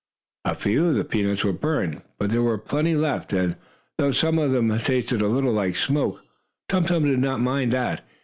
A few of the peanuts were burned, but there were plenty left, and, though some of them tasted a little like smoke, Tum Tum did not mind that.